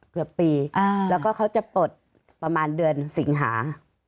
เกือบปีแล้วก็เขาจะปลดประมาณเดือนสิงหา